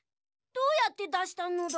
どうやってだしたのだ？